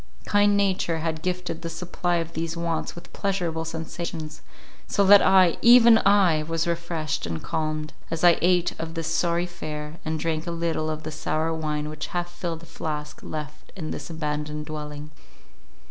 Kind nature had gifted the supply of these wants with pleasurable sensations, so that I—even I!—was refreshed and calmed, as I ate of this sorry fare, and drank a little of the sour wine which half filled a flask left in this abandoned dwelling.